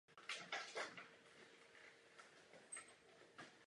Mladí ptáci mají tmavé oči.